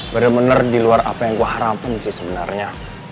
bener bener diluar apa yang ku harapin sih sebenernya